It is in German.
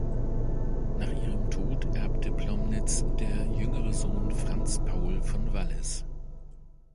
Nach ihrem Tod erbte Plomnitz der jüngere Sohn Franz Paul von Wallis.